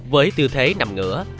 với tư thế nằm ngửa